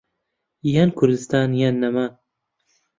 یان کوردستان یان نەمان.